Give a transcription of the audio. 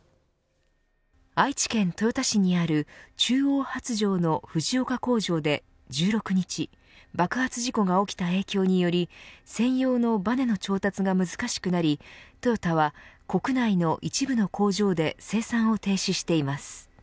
愛知県豊田市にある中央発條の藤岡工場で１６日爆発事故が起きた影響により専用のばねの調達が難しくなりトヨタは国内の一部の工場で生産を停止しています。